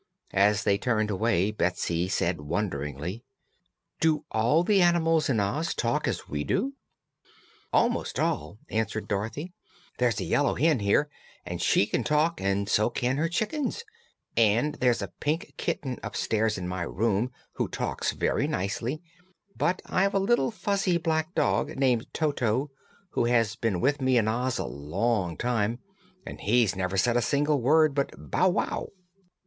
As they turned away Betsy said wonderingly: "Do all the animals in Oz talk as we do?" "Almost all," answered Dorothy. "There's a Yellow Hen here, and she can talk, and so can her chickens; and there's a Pink Kitten upstairs in my room who talks very nicely; but I've a little fuzzy black dog, named Toto, who has been with me in Oz a long time, and he's never said a single word but 'Bow wow!'"